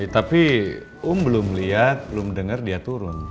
tapi om belum lihat belum denger dia turun